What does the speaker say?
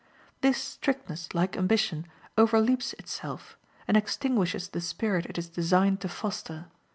This strictness, like ambition, "overleaps itself," and extinguishes the spirit it is designed to foster.